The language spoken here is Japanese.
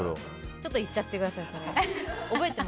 ちょっと言っちゃってください。